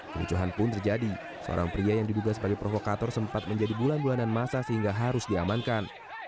kericuhan pun terjadi seorang pria yang diduga sebagai provokator sempat menjadi bulan bulanan masa sehingga harus diamankan